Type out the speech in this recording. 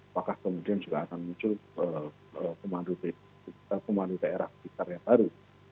apakah kemudian juga akan muncul komando daerah kisarnya baru